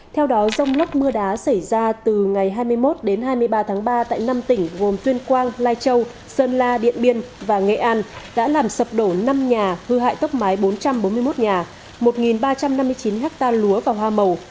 theo đó rông lốc mưa đá xảy ra từ ngày hai mươi một đến hai mươi ba tháng ba tại năm tỉnh gồm tuyên quang lai châu sơn la điện biên và nghệ an đã làm sập đổ năm nhà hư hại tốc mái bốn trăm bốn mươi một nhà một ba trăm năm mươi chín ha lúa và hoa màu